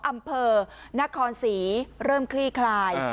อำเภอนครศรีเริ่มคลี่คลาย